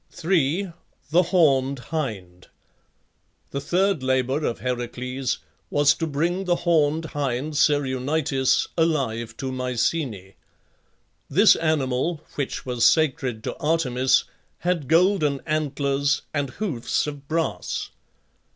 3. THE HORNED HIND. The third labour of Heracles was to bring the horned hind Cerunitis alive to Mycenæ. This animal, which was sacred to Artemis, had golden antlers and hoofs of brass.